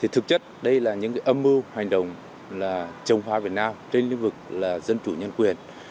thực chất đây là những âm mưu hành động chống phá việt nam trên lĩnh vực là dân chủ nhân quyền